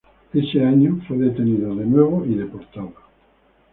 Ese año fue detenido de nuevo y fue deportado.